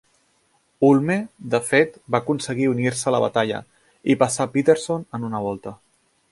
Hulme, de fet, va aconseguir unir-se a la batalla i passar a Peterson en una volta.